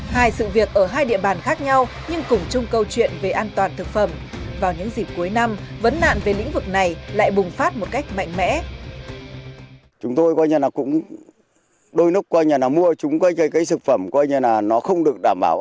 hai sự việc ở hai địa bàn khác nhau nhưng cùng chung câu chuyện về an toàn thực phẩm vào những dịp cuối năm vấn nạn về lĩnh vực này lại bùng phát một cách mạnh mẽ